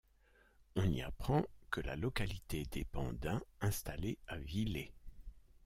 On y apprend que la localité dépend d’un ' installé à Villé.